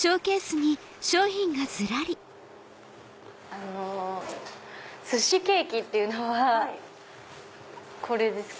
あの寿司ケーキっていうのはこれですか？